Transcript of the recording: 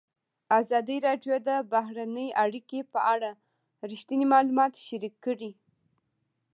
ازادي راډیو د بهرنۍ اړیکې په اړه رښتیني معلومات شریک کړي.